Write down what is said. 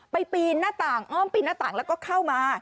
ปีนหน้าต่างอ้อมปีนหน้าต่างแล้วก็เข้ามา